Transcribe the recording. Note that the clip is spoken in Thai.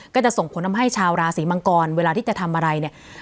ก็จะส่งผลทำให้ชาวราศีมังกรเวลาที่จะทำอะไรเนี่ย